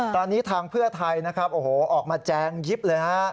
ตอนนี้ทางเพื่อไทยนะครับโอ้โหออกมาแจงยิบเลยฮะ